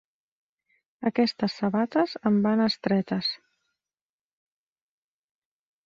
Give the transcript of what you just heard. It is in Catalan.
Aquestes sabates em van estretes.